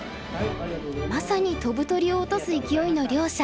まさに飛ぶ鳥を落とす勢いの両者。